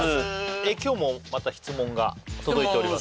今日もまた質問が届いております